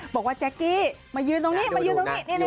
แจ๊กกี้มายืนตรงนี้มายืนตรงนี้